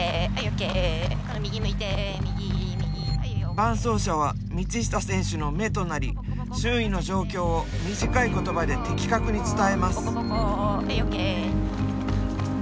伴走者は道下選手の目となり周囲の状況を短い言葉で的確に伝えます。